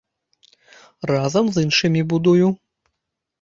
Разам з іншымі будую.